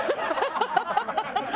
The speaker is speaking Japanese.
ハハハハ！